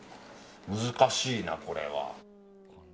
難しいなこれは。